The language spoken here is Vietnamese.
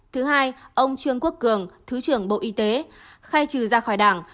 thứ hai ông trương quốc cường thứ trưởng bộ y tế khai trừ ra khỏi đảng